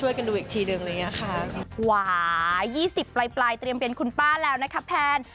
ว้าว๒๐ปลายเตรียมเปลี่ยนคุณป้าแล้วนะครับแพน